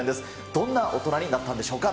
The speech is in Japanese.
どんな大人になったんでしょうか。